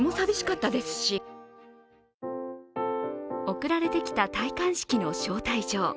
送られてきた戴冠式の招待状。